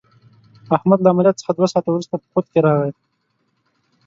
احمد له عملیات څخه دوه ساعته ورسته په خود کې راغی.